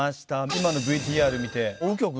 今のＶＴＲ見て羽叶君。